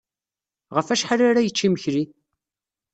Ɣef wacḥal ara yečč imekli?